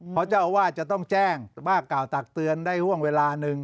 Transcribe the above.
ข้อเจ้าว่าจะต้องแจ้งว่าก่อตักเตือนได้ห่วงเวลานึง